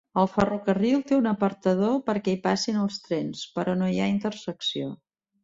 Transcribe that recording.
El ferrocarril té un apartador perquè hi passin els trens, però no hi ha intersecció.